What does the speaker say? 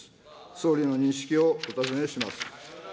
総理の認識をお尋ねします。